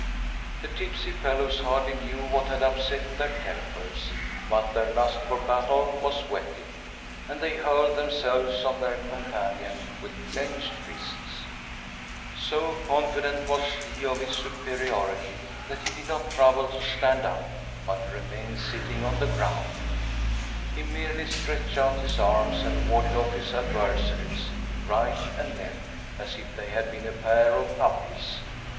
The tipsy fellows hardly knew what had upset their tempers, but their lust for battle was whetted, and they hurled themselves on their companion with clenched fists. So confident was he of his superiority that he did not trouble to stand up, but remained sitting on the ground. He merely stretched out his arms and warded off his adver saries right and left; as if they had been a pair of puppies.